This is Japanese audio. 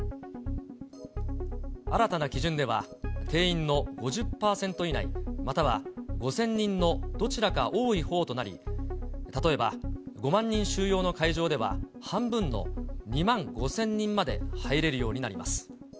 新たな基準では、定員の５０％以内、または５０００人のどちらか多い方となり、例えば５万人収容の会場では、半分の２万５０００人まで入れるようになります。